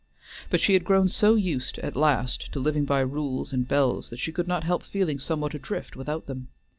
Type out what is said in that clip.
But she had grown so used at last to living by rules and bells that she could not help feeling somewhat adrift without them.